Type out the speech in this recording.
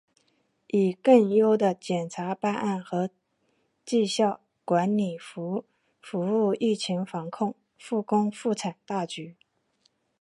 以更优的检察办案和绩效管理服务疫情防控、复工复产大局